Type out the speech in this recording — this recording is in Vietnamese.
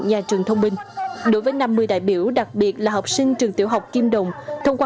nhà trường thông minh đối với năm mươi đại biểu đặc biệt là học sinh trường tiểu học kim đồng thông qua